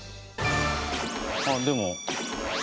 あっでも。